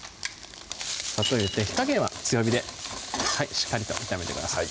砂糖入れて火加減は強火でしっかりと炒めてください